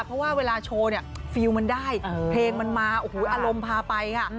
เพราะว่าเวลาโชว์เนี่ยฟิลล์มันได้เพลงมันมาโอ้โหอารมณ์พาไปค่ะ